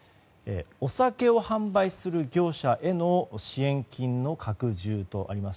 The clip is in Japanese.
お酒を販売する業者への支援金の拡充とあります。